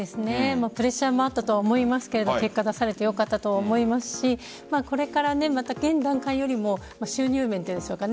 プレッシャーもあったと思いますが結果出されてよかったと思いますしこれから現段階よりも収入面でしょうか